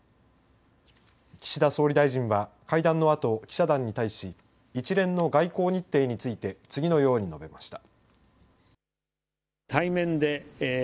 岸田総理大臣は会談のあと、記者団に対し一連の外交日程について次のように述べました。